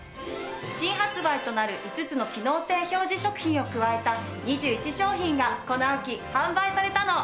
新発売となる５つの機能性表示食品を加えた２１商品がこの秋販売されたの。